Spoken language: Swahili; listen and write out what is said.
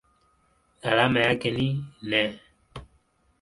Alama yake ni Ne.